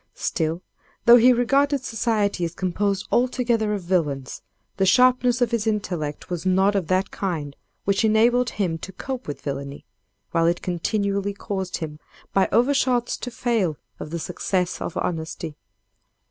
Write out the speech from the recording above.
Still, though he regarded society as composed altogether of villains, the sharpness of his intellect was not of that kind which enabled him to cope with villany, while it continually caused him by overshots to fail of the success of honesty.